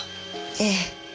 ええ。